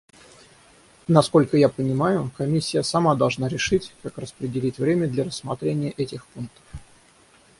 Насколько я понимаю, Комиссия сама должна решить, как распределить время для рассмотрения этих пунктов.